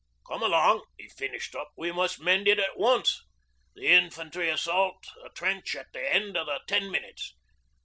"Come along," he finished up; "we must mend it at once. The infantry assault a trench at the end of the ten minutes.